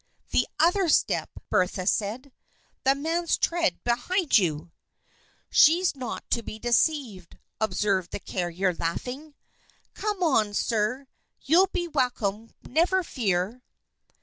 "The other step," Bertha said. "The man's tread behind you!" "She's not to be deceived," observed the carrier, laughing. "Come along, sir. You'll be welcome, never fear!"